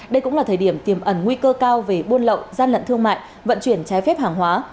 đây cũng là thời điểm tiềm ẩn nguy cơ cao về buôn lậu gian lận thương mại vận chuyển trái phép hàng hóa